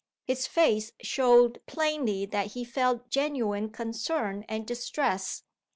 His face showed plainly that he felt genuine concern and distress.